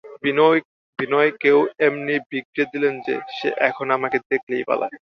বিনয়কেও এমনি বিগড়ে দিলেন যে, সে এখন আমাকে দেখলেই পালায়।